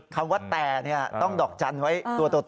คำว่าแต่เนี่ยต้องดอกจันไว้ตัวโตเลย